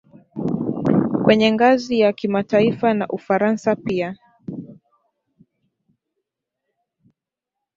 Kwenye ngazi ya kimataifa na Ufaransa pia